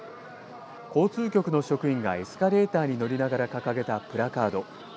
交通局の職員がエスカレーターに乗りながら掲げたプラカード。